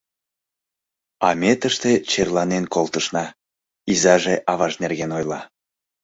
— А ме тыште черланен колтышна, — изаже аваж нерген ойла.